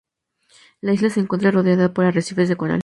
La isla se encuentra rodeada por arrecifes de coral.